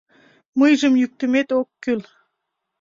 Мыйжым йӱктымет ок кӱл.